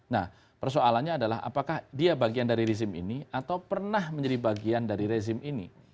nah persoalannya adalah apakah dia bagian dari rezim ini atau pernah menjadi bagian dari rezim ini